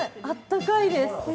あったかいです。